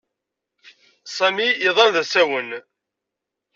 Sami iḍall d asawen.